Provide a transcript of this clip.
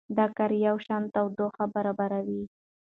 دا کار یوشان تودوخه برابروي.